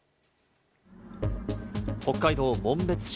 北海道紋別市。